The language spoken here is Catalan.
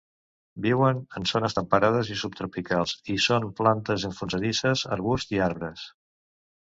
Viuen en zones temperades i subtropicals i són plantes enfiladisses, arbusts i arbres.